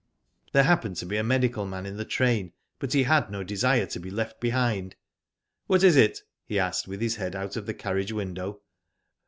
There happened to be a medical man in the train, but he had no desire to be left behind. ''What is it?'* he asked, with his head out of the carriage window.